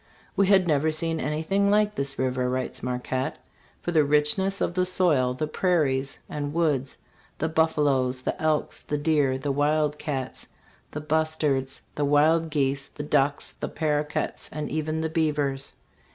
" We had never seen anything like this river," writes Marquette, " for the richness of the soil, the prairies and woods, the buffaloes, the elks, the deer, the wild cats, the bustards, the wild geese, the ducks, the paroquets and even the beavers.